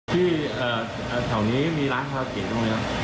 พี่แถวนี้มีร้านคาราโอเกะต้องมั้ยครับ